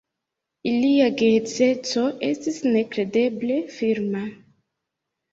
Ilia geedzeco estis nekredeble firma.